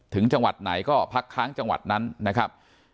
จังหวัดไหนก็พักค้างจังหวัดนั้นนะครับ